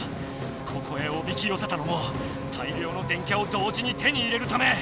ここへおびきよせたのも大りょうの電キャを同時に手に入れるため。